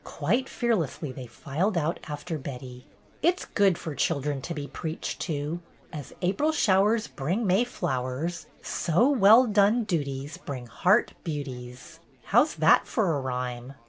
Quite fear lessly they filed out after Betty. "It 's good for children to be preached to. As 'April showers bring May flowers,' so well done duties bring heart beauties 1 How 's that for a rhyme?"